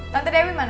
kamu diind arbitrary